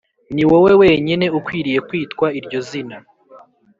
Niwowe wenyine ukwiriye kwitwa iryo zina .